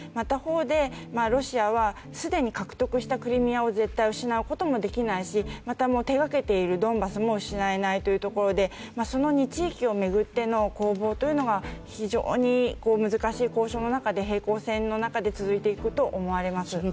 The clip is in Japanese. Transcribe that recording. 他方でロシアはすでに獲得したクリミアを絶対失うこともできないしまた手掛けているドンバスも失えないというところでその２地域を巡っての攻防というのが非常に難しい交渉の中で平行線の中で続いていくと思われます。